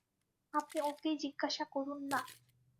আপনি ওঁকেই জিজ্ঞাসা করুন-না।